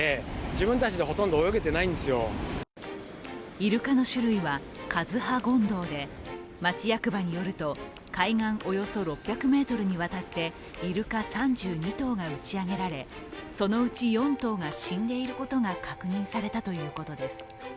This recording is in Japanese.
イルカの種類はカズハゴンドウで町役場によると、海岸およそ６００ｍに渡ってイルカ３２頭が打ち上げられそのうち４頭が死んでいることが確認されたということです。